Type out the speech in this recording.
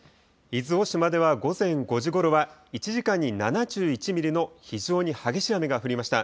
伊豆大島では午前５時ごろは、１時間に７１ミリの非常に激しい雨が降りました。